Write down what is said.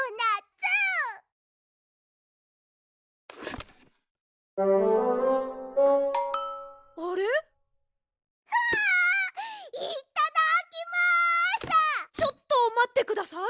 ちょっとまってください！